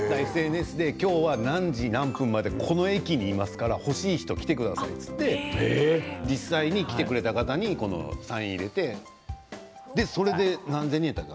今日は何時何分まで駅にいますから欲しい人は来てくださいって実際に来てくれた方にサインに入れてそれで何千人だっけ？